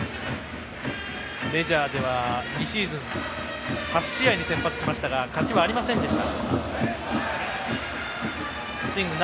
メジャーでは、２シーズン８試合に先発しましたが勝ちはありませんでした。